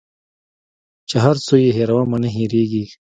چي هر څو یې هېرومه نه هیریږي